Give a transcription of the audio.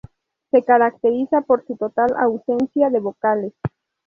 Se caracteriza por su total ausencia de vocales.